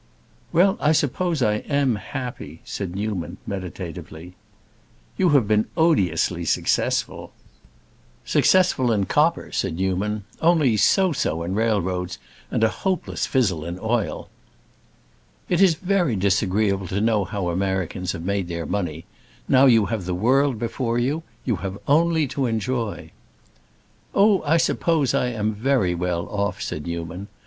"Well, I suppose I am happy," said Newman, meditatively. "You have been odiously successful." "Successful in copper," said Newman, "only so so in railroads, and a hopeless fizzle in oil." "It is very disagreeable to know how Americans have made their money. Now you have the world before you. You have only to enjoy." "Oh, I suppose I am very well off," said Newman.